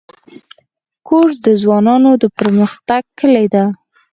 کورس د ځوانانو د پرمختګ کلۍ ده.